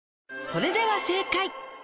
「それでは正解」